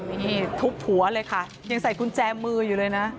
นี่ทุบหัวเลยค่ะยังใส่กุญแจมืออยู่เลยนะ